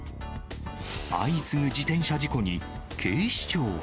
相次ぐ自転車事故に、警視庁は。